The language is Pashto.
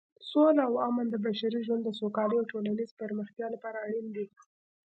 سوله او امن د بشري ژوند د سوکالۍ او ټولنیزې پرمختیا لپاره اړین دي.